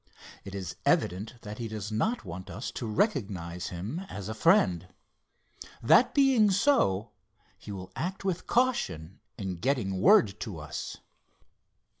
It is evident that he does not want us to recognize him as a friend. That being so, he will act with caution in getting word to us."